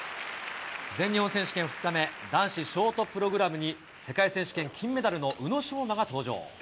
全日本選手権２日目、男子ショートプログラムに、世界選手権金メダルの宇野昌磨が登場。